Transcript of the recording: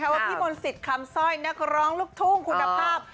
ว่าพี่มนต์สิทธิ์คำสร้อยนักร้องลูกทุ่งคุณภาพ